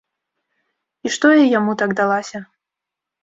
І што я яму так далася?